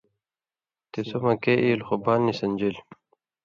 تے سو مکّے ایلوۡ خو بال نی سن٘دژِلیۡ۔